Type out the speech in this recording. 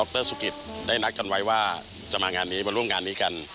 รสุกิตได้นัดกันไว้ว่าจะมางานนี้มาร่วมงานนี้กัน